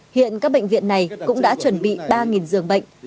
hiện các bệnh viện này cũng đã chuẩn bị ba giường bệnh